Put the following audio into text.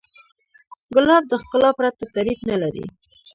ګلاب د ښکلا پرته تعریف نه لري.